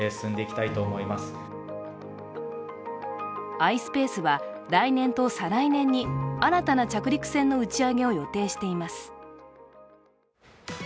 ｉｓｐａｃｅは来年と再来年に新たな着陸船の打ち上げを予定しています。